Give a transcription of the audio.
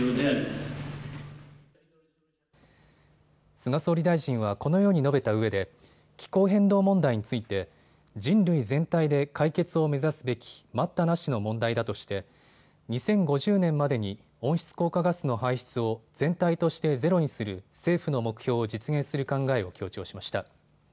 菅総理大臣はこのように述べたうえで気候変動問題について人類全体で解決を目指すべき待ったなしの問題だとして２０５０年までに温室効果ガスの排出を全体としてゼロにする政府の目標を実現する考えを強調しました。